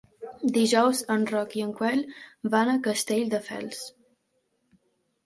Dijous en Roc i en Quel van a Castelldefels.